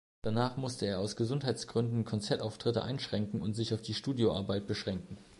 Danach musste er aus Gesundheitsgründen Konzertauftritte einschränken und sich auf die Studioarbeit beschränken.